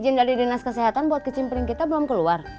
ijin dari dinas kesehatan buat kecimpering kita belum keluar